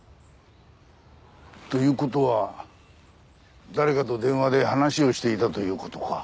という事は誰かと電話で話をしていたという事か。